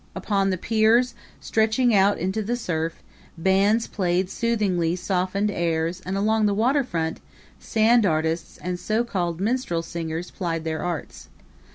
Upon the piers, stretching out into the surf, bands played soothingly softened airs and along the water front, sand artists and so called minstrel singers plied their arts.